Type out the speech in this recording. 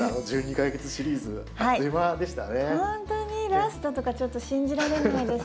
ラストとかちょっと信じられないです。